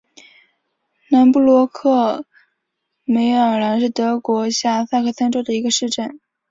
南布罗克梅尔兰是德国下萨克森州的一个市镇。